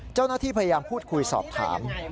เจ้าหน้าที่พยายามพูดคุยสอบถาม